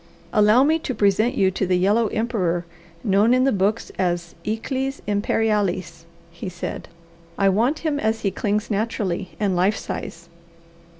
"Allow me to present you to the yellow emperor, known in the books as eagles imperialis," he said. "I want him as he clings naturally and life size."